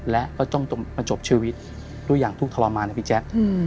และก็ต้องมาจบชีวิตด้วยอย่างทุกข์ทรมานนะพี่แจ๊ค